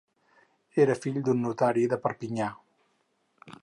Era fill d'un notari de Perpinyà.